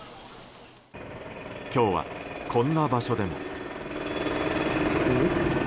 今日は、こんな場所でも。